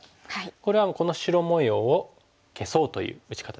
これはこの白模様を消そうという打ち方ですよね。